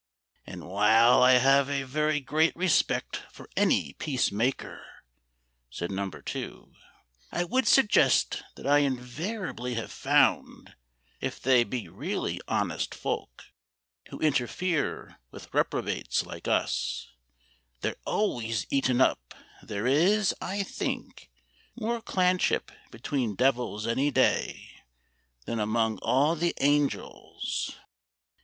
"And while I have a very great respect For any peacemaker," said Number Two, "I would suggest that I invariably Have found, if they be really honest folk Who interfere with reprobates like us, They're always eaten up; there is, I think, More clanship between devils any day Than among all the angels.